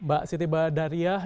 mbak siti badariah